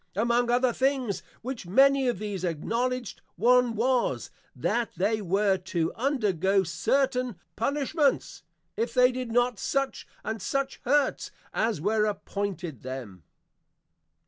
Among other things which many of these Acknowledged, one was, That they were to undergo certain Punishments, if they did not such and such Hurts, as were appointed them.